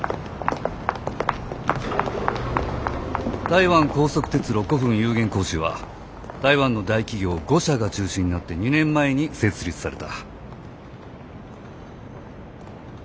台湾高速鐵路股有限公司は台湾の大企業５社が中心になって２年前に設立された。